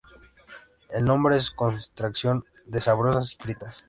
El nombre es una contracción de "Sabrosas y Fritas".